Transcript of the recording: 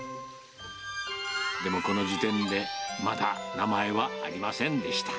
でもこの時点で、まだ名前はありませんでした。